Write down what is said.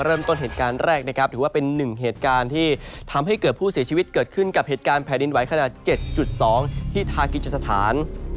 เริ่มต้นเหตุการณ์แรกนะครับถือว่าเป็นหนึ่งเหตุการณ์ที่ทำให้เกิดผู้เสียชีวิตเกิดขึ้นกับเหตุการณ์แผ่นดินไหวขนาด๗๒ที่ทากิจสถาน